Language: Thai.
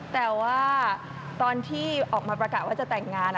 แต่ว่าตอนที่ออกมาประกาศว่าจะแต่งงาน